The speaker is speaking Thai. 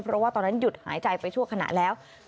เพราะว่าตอนนั้นหยุดหายใจไปชั่วขณะแล้ว